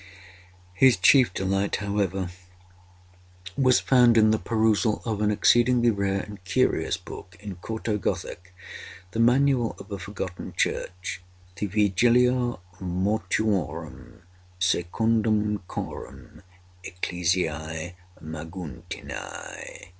His chief delight, however, was found in the perusal of an exceedingly rare and curious book in quarto Gothic—the manual of a forgotten church—the Vigiliae Mortuorum secundum Chorum Ecclesiae Maguntinae.